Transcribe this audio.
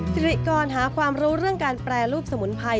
สิริกรหาความรู้เรื่องการแปรรูปสมุนไพร